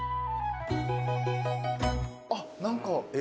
あっ何か。